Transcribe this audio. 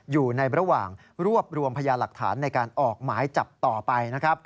อยู่ในระหว่างรวบรวมพยาหลักฐานในการออกหมายจับต่อไปนะครับ